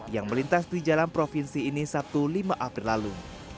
yang melintas di jalan provinsi ini sabtu lima april lalu